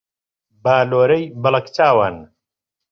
بالۆرەی بەڵەک چاوان